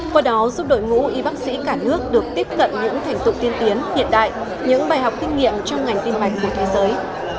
qua đó giúp đội ngũ y bác sĩ cả nước được tiếp cận những thành tựu tiên tiến hiện đại những bài học kinh nghiệm trong ngành tiêm mạch của thế giới